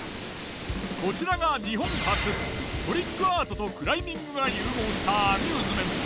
こちらが日本初トリックアートとクライミングが融合したアミューズメント。